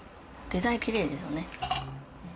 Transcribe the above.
デザイン、キレイですよね。